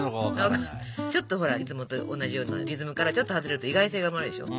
ちょっとほらいつもと同じようなリズムからちょっと外れると意外性が生まれるでしょ。